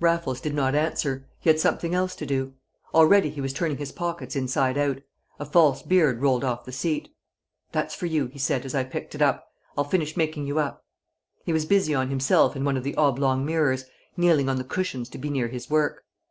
Raffles did not answer; he had something else to do. Already he was turning his pockets inside out. A false beard rolled off the seat. "That's for you," he said as I picked it up. "I'll finish making you up." He was busy on himself in one of the oblong mirrors, kneeling on the cushions to be near his work.